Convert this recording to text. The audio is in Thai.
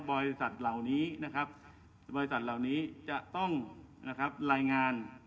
บริษัทเหล่านี้จะต้องรายงาน